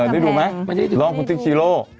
ได้ดูมั้ยรองคุณติ๊กฮีโร่